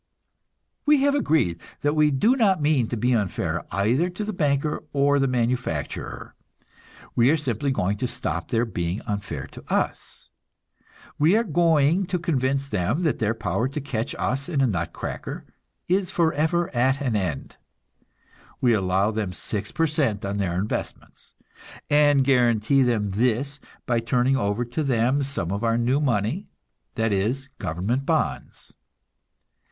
We have agreed that we do not mean to be unfair either to the banker or the manufacturer; we are simply going to stop their being unfair to us. We are going to convince them that their power to catch us in a nut cracker is forever at an end. We allow them six per cent on their investments, and guarantee them this by turning over to them some of our new money that is, government bonds.